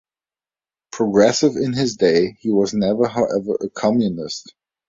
Progressive in his day, he was never, however, a Communist.